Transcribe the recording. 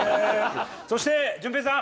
そして淳平さん！